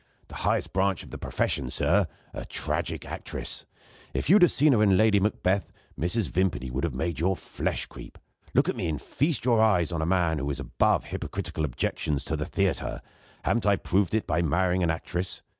The highest branch of the profession, sir a tragic actress. If you had seen her in Lady Macbeth, Mrs. Vimpany would have made your flesh creep. Look at me, and feast your eyes on a man who is above hypocritical objections to the theatre. Haven't I proved it by marrying an actress?